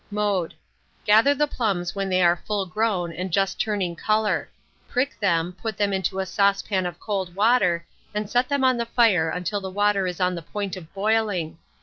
Mode. Gather the plums when they are full grown and just turning colour; prick them, put them into a saucepan of cold water, and set them on the fire until the water is on the point of boiling.